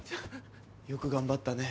よく頑張ったね